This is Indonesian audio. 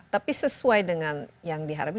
tapi sesuai dengan yang dihadapi